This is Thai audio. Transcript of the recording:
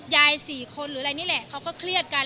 สี่คนหรืออะไรนี่แหละเขาก็เครียดกัน